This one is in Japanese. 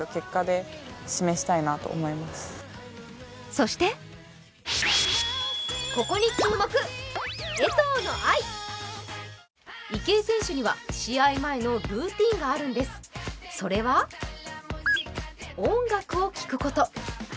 そして池江選手には試合前のルーティーンがあるんです、それは、音楽を聴くこと。